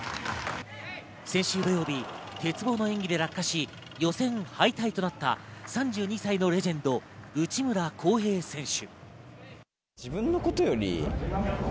先週土曜日、鉄棒の演技で落下し、予選敗退となった３２歳のレジェンド、内村航平選手。